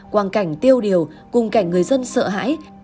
quang cảnh tiêu điều cùng cảnh người dân sợ hãi